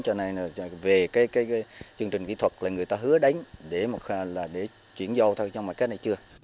cho nên về chương trình kỹ thuật là người ta hứa đánh để chuyển dâu theo trong mặt kết này chưa